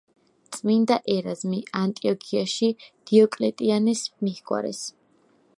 წმინდა ერაზმი ანტიოქიაში დიოკლეტიანეს მიჰგვარეს.